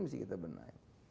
mesti kita benahi